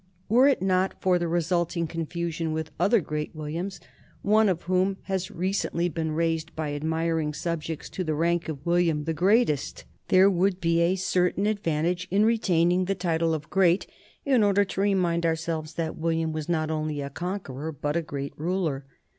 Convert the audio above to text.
Were it not for the resulting confusion with other great Williams, one of whom has recently been raised by admiring subjects to the rank of William the Great est! there would be a certain advantage in retain ing the title of great, in order to remind ourselves that William was not only a conqueror but a great ruler.